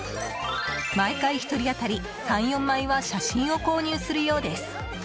毎回、１人当たり３４枚は写真を購入するようです。